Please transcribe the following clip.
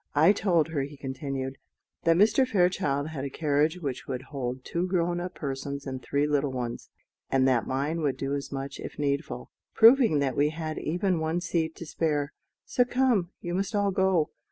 "I told her," he continued, "that Mr. Fairchild had a carriage which would hold two grown up persons and three little ones, and that mine could do as much if needful; proving that we had even one seat to spare so come, you must all go.